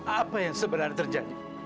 apa yang sebenarnya terjadi